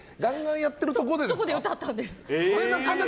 そこで歌ったんです。